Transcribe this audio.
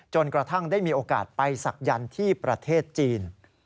จนกระทั่งได้มีโอกาสไปศักยันต์ที่ประเทศจีน